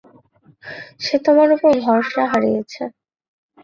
সে তোমার ওপর ভরসা হারিয়েছে।